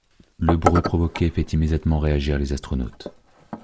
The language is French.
Le bruit provoqué fait immédiatement réagir les astronautes.